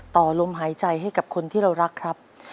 ต่อลมหายใจให้กับคนที่เรารักครับ